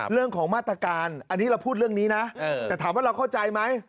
เรื่องของมาตรการอันนี้เราพูดเรื่องนี้นะแต่ถามว่าเราเข้าใจไหม